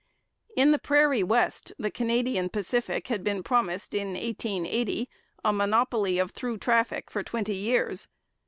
In the prairie West the Canadian Pacific had been promised in 1880 a monopoly of through traffic for twenty years.